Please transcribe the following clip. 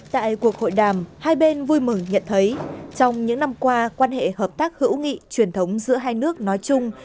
tại cuộc hội đàm hai bên vui mừng nhận thấy trong những năm qua quan hệ hợp tác hữu nghị truyền thống giữa hai nước nói chung